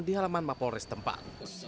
di halaman mapolres tempat